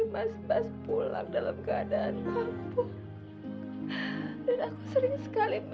khusus buntunya kambuh lagi